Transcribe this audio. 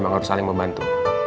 emang harus saling membantu